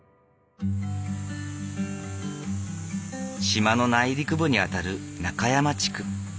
島の内陸部にあたる中山地区。